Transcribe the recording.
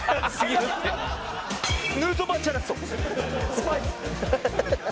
スパイス！